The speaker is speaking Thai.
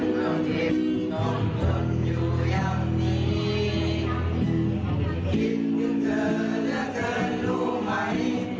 คิดถึงเธอเพราะเธอรู้ไหม